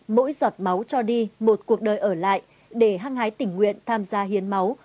mỗi giọt máu cho đi một cuộc đời ở lại để hăng hái tình nguyện tham gia hiến máu